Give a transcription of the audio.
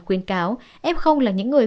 khuyên cáo ép không là những người